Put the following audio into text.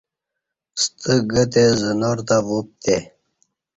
ستہ گہ تئے زنار تہ وپتئے۔